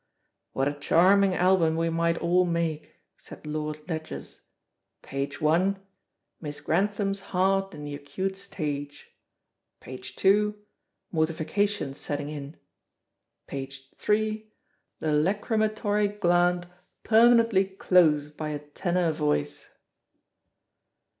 "What a charming album we might all make," said Lord Ledgers. "Page 1. Miss Grantham's heart in the acute stage. Page 2. Mortification setting in. Page 3. The lachrymatory gland permanently closed by a tenor voice."